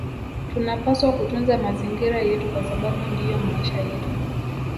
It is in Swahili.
Tunapaswa kutunza mazingira yetu kwa sababu ndiyo maisha yetu